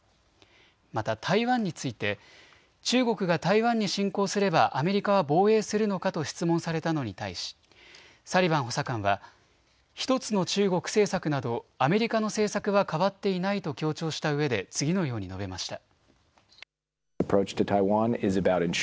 また台湾について中国が台湾に侵攻すればアメリカは防衛するのかと質問されたのに対しサリバン補佐官は１つの中国政策などアメリカの政策は変わっていないと強調したうえで次のように述べました。